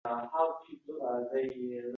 ya’ni harf va so‘zlarni